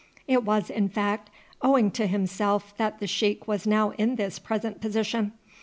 It was, in fact, owing to himself that the sheik was now in his present position.